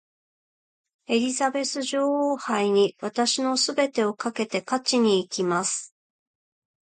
エリザベス女王杯に私の全てをかけて勝ちにいきます。